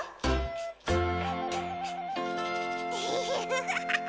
フフフフ。